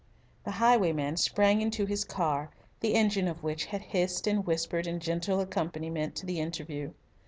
The highwayman sprang into his car, the engine of which had hissed and whispered in gentle accompaniment to the interview.